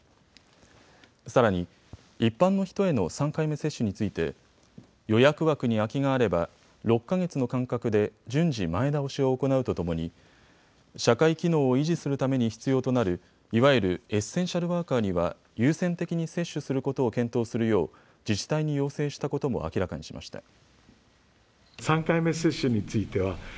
さらに、一般の人への３回目接種について予約枠に空きがあれば６か月の間隔で順次、前倒しを行うとともに社会機能を維持するために必要となるいわゆるエッセンシャルワーカーには優先的に接種することを検討するよう自治体に要請したことも明らかにしました。